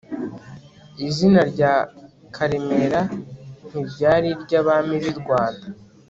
izina rya karemera ntiryari iry'abami b'i rwanda